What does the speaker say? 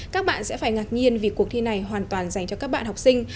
các bạn sẽ phải ngạc nhiên vì cuộc thi này hoàn toàn dành cho các bạn học sinh